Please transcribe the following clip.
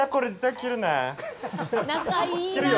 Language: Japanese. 切るよ。